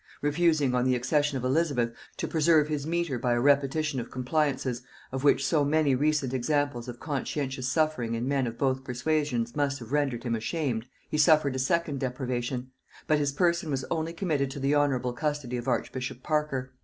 Refusing, on the accession of Elizabeth, to preserve his mitre by a repetition of compliances of which so many recent examples of conscientious suffering in men of both persuasions must have rendered him ashamed, he suffered a second deprivation; but his person was only committed to the honorable custody of archbishop Parker.